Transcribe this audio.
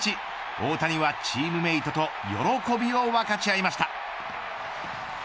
大谷はチームメートと喜びを分かち合いました。